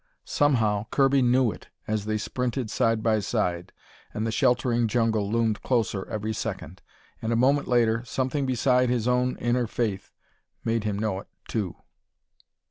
Somehow Kirby knew it as they sprinted side by side, and the sheltering jungle loomed closer every second. And a moment later, something beside his own inner faith made him know it, too.